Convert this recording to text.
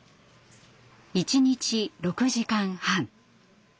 一日６時間半。